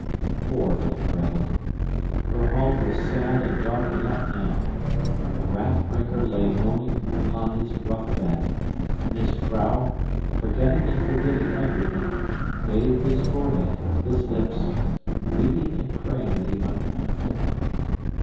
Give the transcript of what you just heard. Poor little Gretel! Her home was sad and dark enough now. Raff Brinker lay moaning upon his rough bed, and his vrouw, forgetting and forgiving everything, bathed his forehead, his lips, weeping and praying that he might not die.